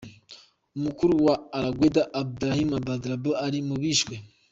Umukuru wa al-Qaeda, Abdulraoof al-Dhahab, ari mu bishwe.